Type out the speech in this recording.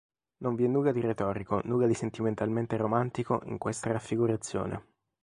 Non vi è nulla di retorico, nulla di sentimentalmente romantico in questa raffigurazione.